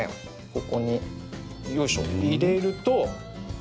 ここによいしょ入れると。